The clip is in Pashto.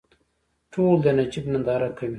ټول د نجیب ننداره کوي.